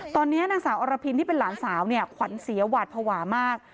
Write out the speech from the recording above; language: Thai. ตอนนี้นางสาวอรพินที่เป็นหลานสาวเนี่ยขวัญเสียหวาดภาวะมาก